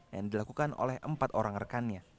yang dilakukan oleh empat orang rekannya